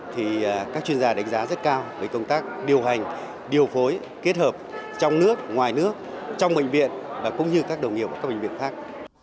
thì các chuyên gia đánh giá rất cao về công tác điều hành điều phối kết hợp trong nước ngoài nước trong bệnh viện và cũng như các đồng nghiệp ở các bệnh viện khác